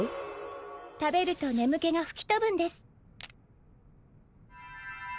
食べると眠気がふき飛ぶんです。